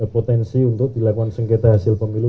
potensi untuk dilakukan sengketa hasil pemilu